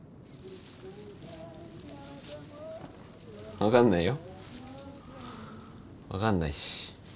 分かんないよ分かんないし。